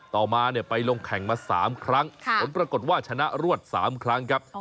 ต่อมาไปลงแข่งมา๓ครั้งผลปรากฏว่าชนะรวด๓ครั้งครับ